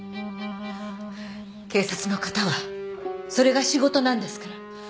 警察の方はそれが仕事なんですから。